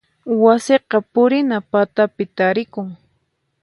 Wasiqa purina patapi tarikun.